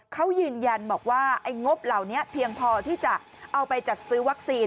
เขายืนยันบอกว่าไอ้งบเหล่านี้เพียงพอที่จะเอาไปจัดซื้อวัคซีน